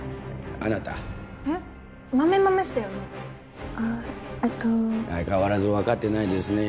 あっえっと相変わらず分かってないですね